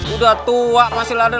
udah tua masih lari